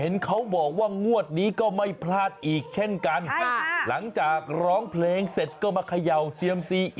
เห็นเขาบอกว่างงวดนี้ก็ไม้พลาดก็ไม่พลาดก็ไง